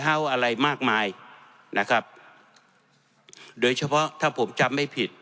อะไรมากมายนะครับโดยเฉพาะถ้าผมจำไม่ผิด